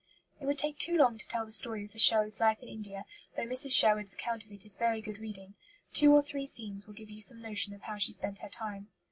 It would take too long to tell the story of the Sherwoods' life in India, though Mrs. Sherwood's account of it is very good reading. Two or three scenes will give you some notion of how she spent her time.